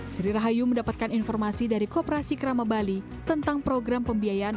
sri rahayu mendapatkan informasi dari koperasi kerama bali tentang program pembiayaan